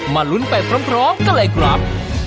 ลุ้นไปพร้อมกันเลยครับ